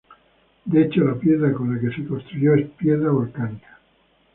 De hecho, la piedra con la que se construyó, es piedra volcánica.